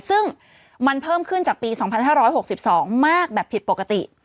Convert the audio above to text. ซึ่งมันเพิ่มขึ้นจากปี๒๕๖๒มากแบบผิดปกติ